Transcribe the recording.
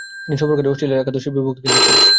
তিনি সফরকারী অস্ট্রেলিয়া একাদশের বিপক্ষে খেলেছেন।